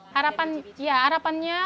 harapan ya harapannya